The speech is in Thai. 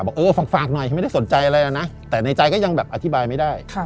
เออฝากหน่อยไม่ได้สนใจอะไรนะแต่ในใจก็ยังแบบอธิบายไม่ได้